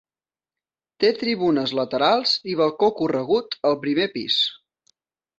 Té tribunes laterals i balcó corregut al primer pis.